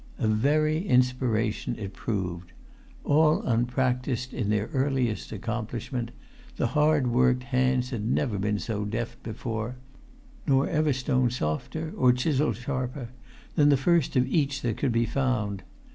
A very inspiration it proved. All unpractised in their earliest accomplishment, the hard worked hands had never been so deft before; nor ever stone softer or chisel sharper than the first of each that could be found.